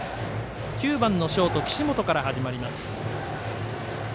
９番ショート岸本から始まります。